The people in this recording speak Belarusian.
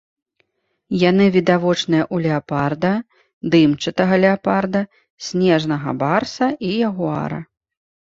Яны відавочныя ў леапарда, дымчатага леапарда, снежнага барса і ягуара.